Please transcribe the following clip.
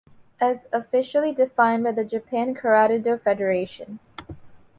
As officially defined by the Japan Karate-do Federation.